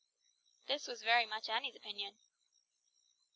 This was very much Annie's opinion.